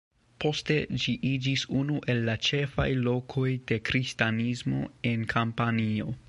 Poste ĝi iĝis unu el la ĉefaj lokoj de Kristanismo en Kampanio.